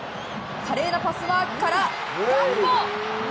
華麗なパスワークから、ガクポ！